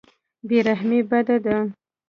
بې رحمي بده ده.